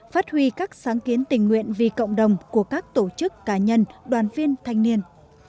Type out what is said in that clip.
phát huy các sáng kiến tình nguyện vì cộng đồng của các tổ chức cá nhân đoàn viên thanh niên